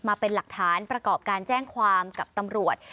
มาเป็นหลักฐานประกอบการแจ้งความกับตำรวจ